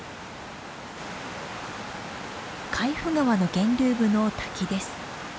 海部川の源流部の滝です。